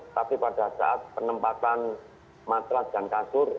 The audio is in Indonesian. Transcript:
tapi pada saat penempatan matras dan kasur